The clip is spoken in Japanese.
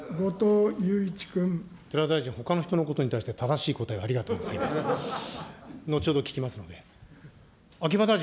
寺田大臣、ほかの人のことに対して、正しい答えをありがとうございました。